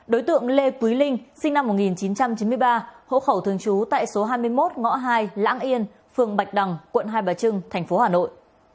đối tượng lê quý linh sinh năm một nghìn chín trăm chín mươi ba hộ khẩu thường trú tại số hai mươi một ngõ hai lãng yên phường bạch đằng quận hai bà trưng thành phố hà nội